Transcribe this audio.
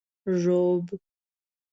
ږوب